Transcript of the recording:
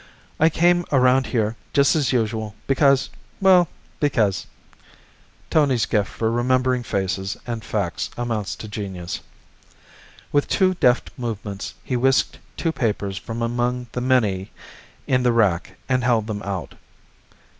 I came around here just as usual, because well because " Tony's gift for remembering faces and facts amounts to genius. With two deft movements he whisked two papers from among the many in the rack, and held them out.